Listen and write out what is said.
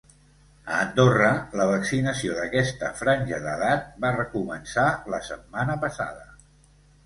A Andorra, la vaccinació d’aquesta franja d’edat va començar la setmana passada.